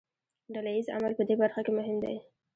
ډله ییز عمل په دې برخه کې مهم دی.